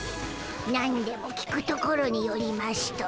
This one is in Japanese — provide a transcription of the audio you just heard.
なんでも聞くところによりましゅと。